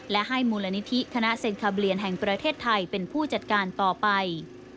และให้มูลนิธิคณะเซ็นคาเบียนแห่งประเทศไทยเป็นผู้จัดการต่อไป